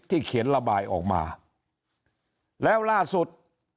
เขียนระบายออกมาแล้วล่าสุด